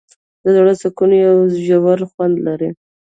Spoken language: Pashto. د زړه سکون یو ژور خوند لري.